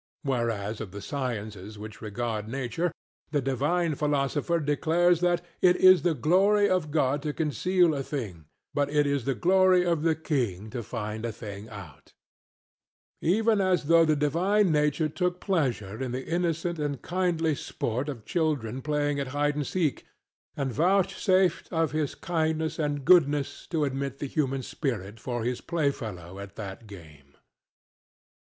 Whereas of the sciences which regard nature, the divine philosopher declares that "it is the glory of God to conceal a thing, but it is the glory of the King to find a thing out," Even as though the divine nature took pleasure in the innocent and kindly sport of children playing at hide and seek, and vouchsafed of his kindness and goodness to admit the human spirit for his playfellow at that game.